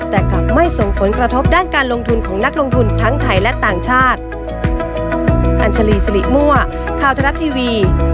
แต่กลับไม่ส่งผลกระทบด้านการลงทุนของนักลงทุนทั้งไทยและต่างชาติ